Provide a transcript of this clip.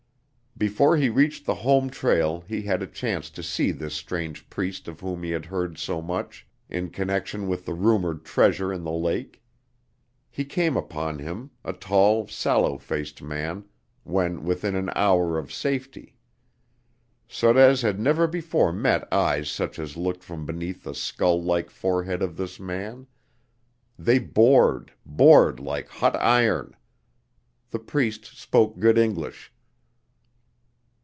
Before he reached the home trail he had a chance to see this strange Priest of whom he had heard so much in connection with the rumored treasure in the lake. He came upon him, a tall, sallow faced man, when within an hour of safety. Sorez had never before met eyes such as looked from beneath the skull like forehead of this man; they bored, bored like hot iron. The Priest spoke good English.